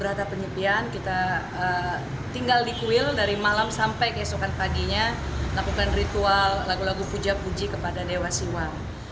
ternyata penyepian kita tinggal di kuil dari malam sampai keesokan paginya lakukan ritual lagu lagu puja puji kepada dewa siwa